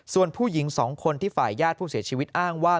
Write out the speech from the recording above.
ส่วนผู้หญิง๒คนที่ฝ่ายญาติผู้เสียชีวิตอ้างว่า